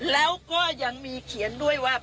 แล้วก็ยังมีเขียนด้วยว่า